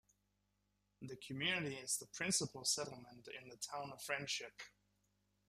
The community is the principal settlement in the town of Friendship.